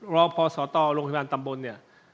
รอพอสตโรงพยาบาลตำบลเนี่ย